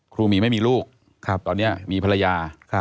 หมีไม่มีลูกตอนนี้มีภรรยา